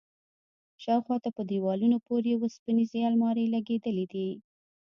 شاوخوا ته په دېوالونو پورې وسپنيزې المارۍ لگېدلي دي.